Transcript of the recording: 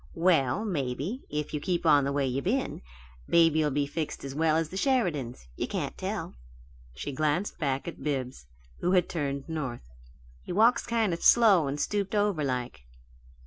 "Well, maybe, if you keep on the way you been, baby'll be as well fixed as the Sheridans. You can't tell." She glanced back at Bibbs, who had turned north. "He walks kind of slow and stooped over, like."